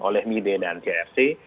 oleh mide dan crc